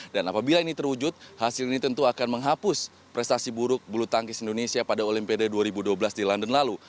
dan apabila ini terwujud hasil ini tentu akan menghapus prestasi buruk bulu tangkis indonesia pada olimpiade dua ribu dua belas di london lalu